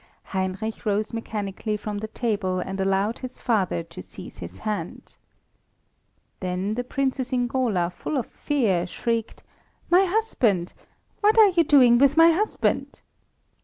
Heinrich rose mechanically from the table and allowed his father to seize his hand. Then the Princess Ingola, full of fear, shrieked: "My husband! What are you doing with my husband?"